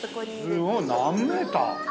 すごい何メーター？